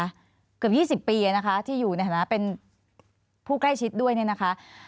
เกือบ๒๐ปีนะคะที่อยู่ในฐานะเป็นผู้ใกล้ชิดด้วยเนี่ยนะคะ